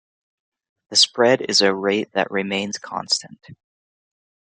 The spread is a rate that remains constant.